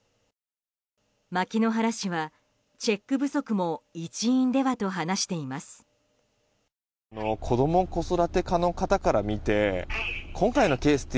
牧之原市は、チェック不足も一因ではと話しています。